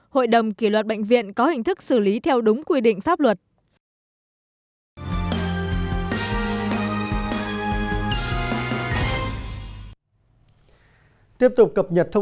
hội đồng kỷ luật bệnh viện có hình thức xử lý theo đúng quy định pháp luật